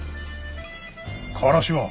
からしは？